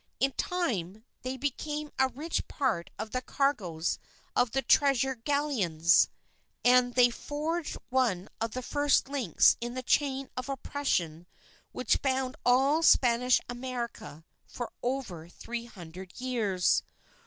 In time, they became a rich part of the cargoes of the Treasure Galleons. And they forged one of the first links in the chain of oppression which bound all Spanish America for over three hundred years.